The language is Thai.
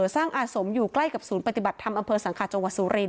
อาสมอยู่ใกล้กับศูนย์ปฏิบัติธรรมอำเภอสังขาจังหวัดสุรินท